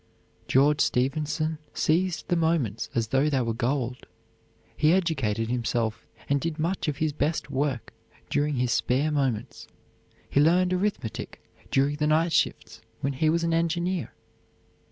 George Stephenson seized the moments as though they were gold. He educated himself and did much of his best work during his spare moments. He learned arithmetic during the night shifts when he was an engineer.